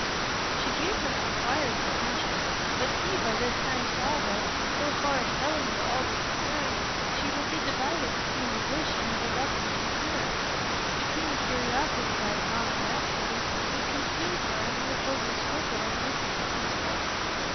She gave him her quietest attention, but he by this time saw that, so far as telling her all was concerned, she would be divided between the wish and the reluctance to hear it; between the curiosity that, not unnaturally, would consume her and the opposing scruple of a respect for misfortune.